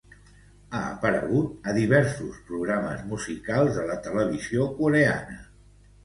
Ha aparegut a diversos programes musicals a la televisió coreana.